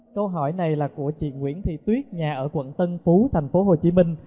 câu hỏi này là của chị nguyễn thị tuyết nhà ở quận tân phú tp hcm